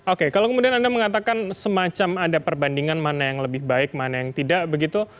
oke kalau kemudian anda mengatakan semacam ada perbandingan mana yang lebih baik mana yang tidak begitu